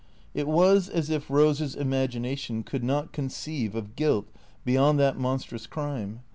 It was as if Eose's imagination could not conceive of guilt beyond that monstrous crime.